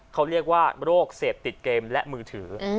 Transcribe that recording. เขาเรียกว่าโรคเสพติดเกมและมือถือ